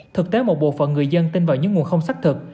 thực tế một bộ phận người dân tin vào những nguồn không xác thực